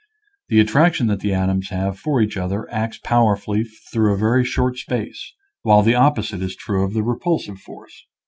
The attrac tion that the atoms have for each other acts powerfully through a very short space, while the opposite is true of the repulsive force.